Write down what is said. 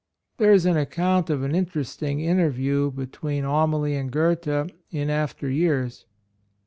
There is an account of an interesting interview between Amalie and Goethe in after years.